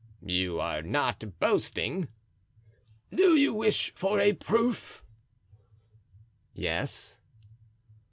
"You are not boasting?" "Do you wish for a proof?" "Yes."